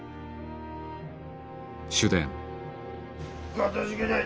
かたじけない。